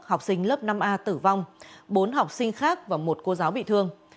học sinh lớp năm a tử vong bốn học sinh khác và một cô giáo bị thương